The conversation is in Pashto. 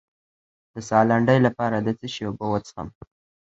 د ساه لنډۍ لپاره د څه شي اوبه وڅښم؟